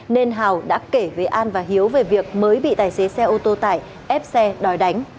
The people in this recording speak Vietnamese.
nên hào đã kể với an và hiếu về việc mới bị tài xế xe ô tô tải ép xe đòi đánh